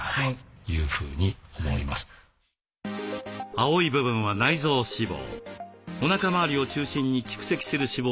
青い部分は内臓脂肪。